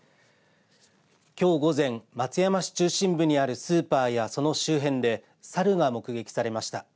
きょう午前松山市中心部にあるスーパーやその周辺でサルが目撃されました。